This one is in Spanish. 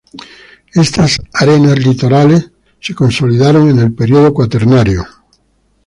Estas arenas litorales se consolidaron en el período Cuaternario.